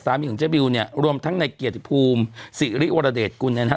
สามีของเจ๊บิวเนี่ยรวมทั้งในเกียรติภูมิศรีริวรเดชกุลเนี่ยนะ